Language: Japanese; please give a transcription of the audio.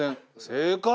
正解！